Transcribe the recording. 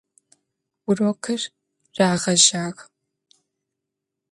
Vurokır rağejağ.